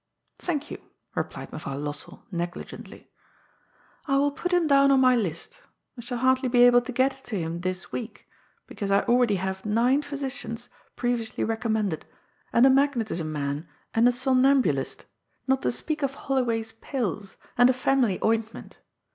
" Thank you," replied Mevrouw Lossell negligently. " I will put him down on my list. I shall hardly be able to get to him this week, because I already have nine physicians, previously recommended, and a magnetism man and a somnambulist, not to speak of HoUoway's pills, and a family ointment.